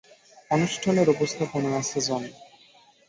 অনুষ্ঠানের উপস্থাপনায় আছে জনি।